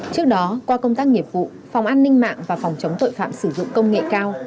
trước đó qua công tác nghiệp vụ phòng an ninh mạng và phòng chống tội phạm sử dụng công nghệ cao